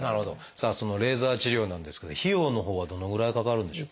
さあそのレーザー治療なんですけど費用のほうはどのぐらいかかるんでしょう？